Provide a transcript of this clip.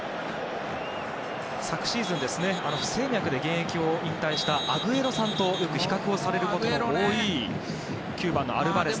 昨シーズン、不整脈で現役を引退したアグエロさんとよく比較されることも多い９番のアルバレス。